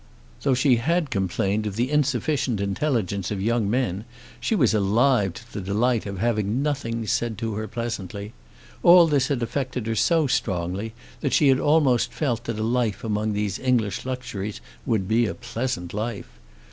Though she had complained of the insufficient intelligence of young men she was alive to the delight of having nothings said to her pleasantly. All this had affected her so strongly that she had almost felt that a life among these English luxuries would be a pleasant life.